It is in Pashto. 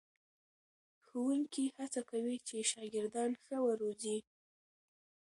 ښوونکي هڅه کوي چې شاګردان ښه وروزي.